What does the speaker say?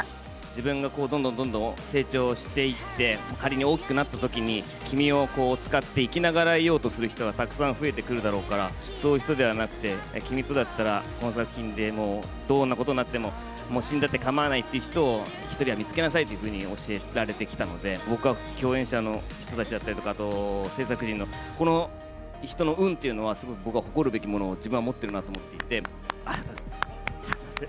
自分がどんどんどんどん成長していって、仮に大きくなったときに、君を使って生き長らえようとする人がたくさん増えてくるだろうから、そういう人ではなくて、君とだったら、この作品でもうどんなことなっても、死んだってかまわないって言ってくれる人を、１人は見つけなさいというふうに教えられてきたので、僕は共演者の人たちだったりとか、製作陣のこの人の運というのはすごく僕は誇るべきものを自分は持っているなと思っていて、ありがとうございます。